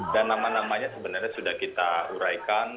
dan nama namanya sebenarnya sudah kita uraikan